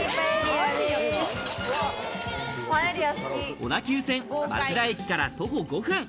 小田急線町田駅から徒歩５分。